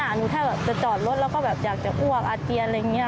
หนูถ้าแบบจะจอดรถแล้วก็แบบอยากจะอ้วกอาเจียนอะไรอย่างนี้